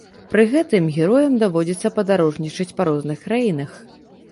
Пры гэтым героям даводзіцца падарожнічаць па розных краінах.